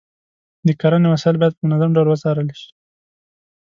د کرنې وسایل باید په منظم ډول وڅارل شي.